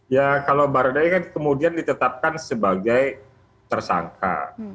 ya kalau baradae kan kemudian ditetapkan sebagai tersangka